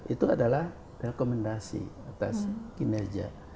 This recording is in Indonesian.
itu adalah rekomendasi atas kinerja